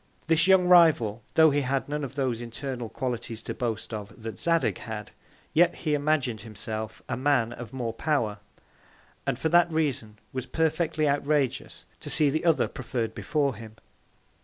This young Rival, tho' he had none of those internal Qualities to boast of that Zadig had, yet he imagin'd himself a Man of more Power; and for that Reason, was perfectly outrageous to see the other preferr'd before him.